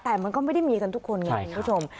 แต่มันก็ไม่ได้มีกันทุกคนไงคุณผู้ชม